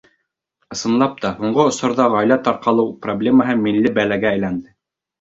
Ысынлап та, һуңғы осорҙа ғаилә тарҡалыу проблемаһы милли бәләгә әйләнде.